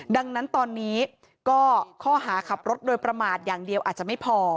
ดังนั้นตอนนี้ก็ข้อหาขับรถโดยประมาทอย่างเดียวอาจจะไม่พอ